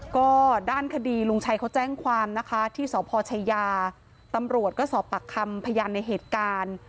ก็ด้านคดีลุงชัยเขาแจ้งความนะคะที่สพชายาตำรวจก็สอบปากคำพยานในเหตุการณ์